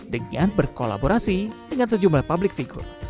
dengan berkolaborasi dengan sejumlah public figure